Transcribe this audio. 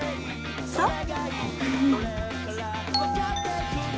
そう？